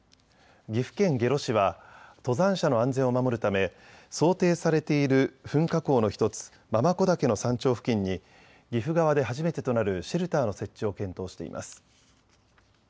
岐阜県下呂市は登山者の安全を守るため想定されている噴火口の１つ、継子岳の山頂付近に岐阜側で初めてとなるシェルターの設置を検討しています。